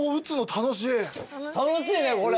楽しいねこれ。